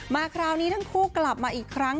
คราวนี้ทั้งคู่กลับมาอีกครั้ง